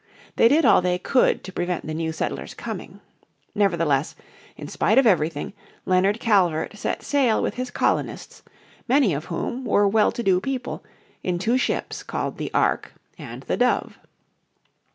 They did all they could to prevent the new settlers coming. Nevertheless, in spite of everything, Leonard Calvert set sail with his colonists, many of whom were well to do people, in two ships called the Ark and the Dove.